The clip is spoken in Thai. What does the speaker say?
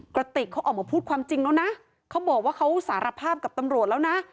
กระติกเขาออกมาพูดความจริงแล้วนะเขาบอกว่าเขาสารภาพกับตำรวจแล้วนะ